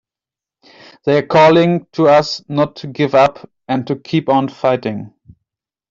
They're calling to us not to give up and to keep on fighting!